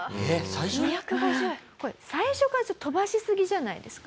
これ最初からちょっと飛ばしすぎじゃないですか？